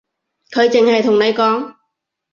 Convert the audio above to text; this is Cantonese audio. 佢淨係同你講